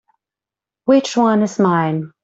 Which one is mine?